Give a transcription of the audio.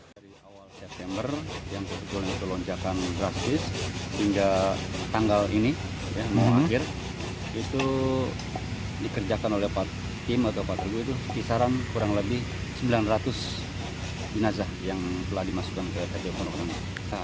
dari awal september yang tersebut telah dilunjakan drastis hingga tanggal ini mau akhir itu dikerjakan oleh tim atau patrug itu kisaran kurang lebih sembilan ratus jenazah yang telah dimasukkan ke tpu pondok ranggon